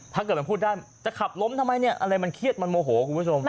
ถ้าเกิดมันพูดได้จะขับล้มทำไมเนี่ยอะไรมันเครียดมันโมโหคุณผู้ชม